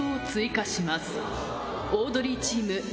オードリーチーム。